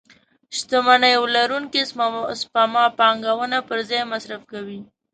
شتمنيو لرونکي سپما پانګونه پر ځای مصرف کوي.